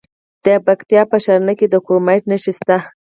د پکتیکا په ښرنه کې د کرومایټ نښې شته.